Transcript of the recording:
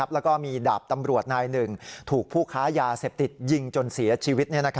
แล้วก็มีดาบตำรวจนายหนึ่งถูกผู้ค้ายาเสพติดยิงจนเสียชีวิต